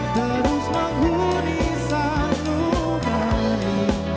terus mengguni sang lupanya